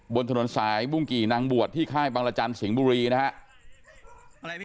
บนถนนสายบุ้งกี่นางบวชที่ค่ายบังรจันทร์สิงห์บุรีนะครับ